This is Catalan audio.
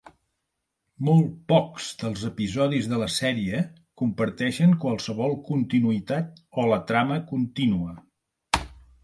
Molt pocs dels episodis de la sèrie comparteixen qualsevol continuïtat o la trama contínua.